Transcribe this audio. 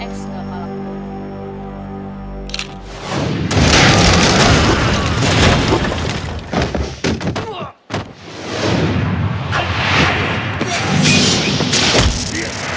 lima x tidak akan berhasil